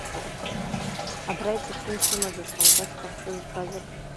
Абра иҵәахны исымаз асалдаҭ дахьцаз жәбазар?